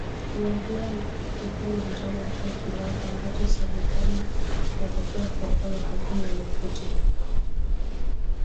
umeendelea huku kukiwepo mivutano juu ya kiwango ambacho serikali inatakiwa kuyalipa makampuni ya mafuta